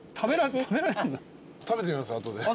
食べてみます？後で。